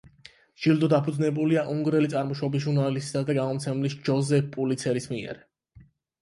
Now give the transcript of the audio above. ჯილდო დაფუძნებულია უნგრელი წარმოშობის ჟურნალისტისა და გამომცემლის ჯოზეფ პულიცერის მიერ.